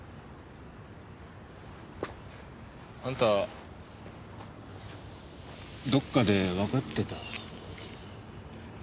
あんたどっかでわかってた。